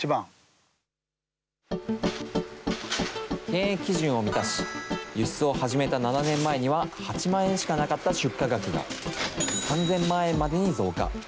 検疫基準を満たし、輸出を始めた７年前には８万円しかなかった出荷額が、３０００万円までに増加。